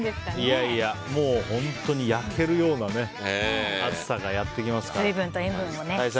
いやいや、もう本当に焼けるような暑さがやってきますから。